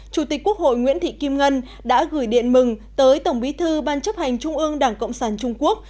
chủ tịch quốc hội nguyễn thị kim ngân đã gửi điện mừng tới tổng bí thư ban chấp hành trung ương đảng cộng sản trung quốc